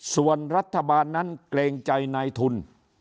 ส่วนรัฐบาลนั้นเกรงใจนายทุน